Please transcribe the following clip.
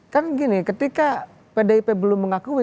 kan gini ketika pdip belum mengakui